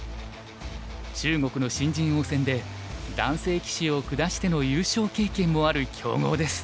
中国の新人王戦で男性棋士を下しての優勝経験もある強豪です。